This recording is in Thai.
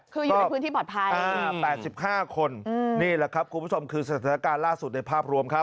คืออยู่ในพื้นที่ปลอดภัย๘๕คนนี่แหละครับคุณผู้ชมคือสถานการณ์ล่าสุดในภาพรวมครับ